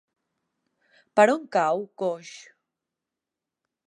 Per on cau Coix?